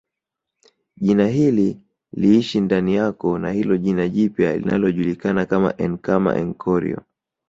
Jina hili liishi ndani yako na hilo jina jipya linalojulikana kama enkama enchorio